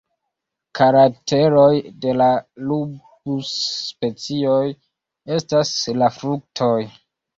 Karakteroj de la rubus-specioj estas la fruktoj.